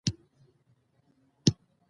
افغانستان د زمرد د ترویج لپاره پروګرامونه لري.